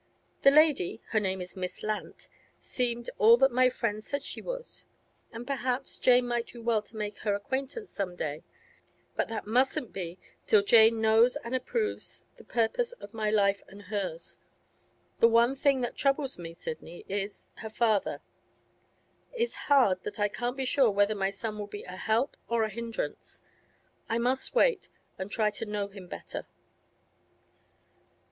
The lady—her name is Miss Lant—seemed all that my friend said she was, and perhaps Jane might do well to make her acquaintance some day; but that mustn't be till Jane knows and approves the purpose of my life and hers. The one thing that troubles me still, Sidney, is—her father. It's hard that I can't be sure whether my son will be a help or a hindrance. I must wait, and try to know him better.